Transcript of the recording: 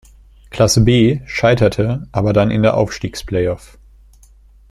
Klasse B, scheiterte aber dann in der Aufstiegsplayoff.